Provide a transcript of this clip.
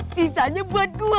sisanya buat gua